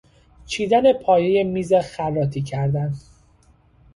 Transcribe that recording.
چندین پایهی میز خراطی کردن